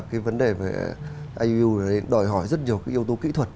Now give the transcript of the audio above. cái vấn đề về iuu đấy đòi hỏi rất nhiều cái yếu tố kỹ thuật